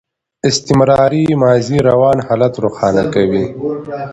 استمراري ماضي روان حالت روښانه کوي.